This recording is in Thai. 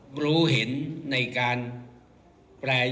การโบราณวิจัย